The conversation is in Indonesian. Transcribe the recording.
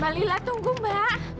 mbak lila tunggu mbak